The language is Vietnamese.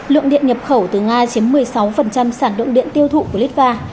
lượng điện nhập khẩu từ nga chiếm một mươi sáu sản lượng điện tiêu thụ của litva